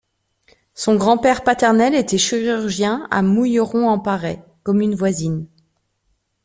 Son grand-père paternel était chirurgien à Mouilleron-en-Pareds, commune voisine.